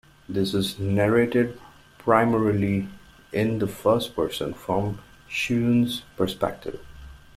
This is narrated primarily in the first person, from Chiun's perspective.